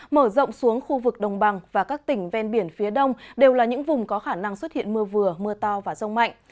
mở rộng xuống khu vực đồng bằng và các tỉnh ven biển phía đông đều là những vùng có khả năng xuất hiện mưa vừa mưa to và rông mạnh